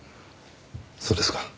そうですか。